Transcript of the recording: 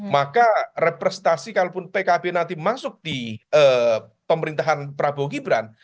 maka representasi kalaupun pkb nanti masuk di pemerintahan prabowo gibran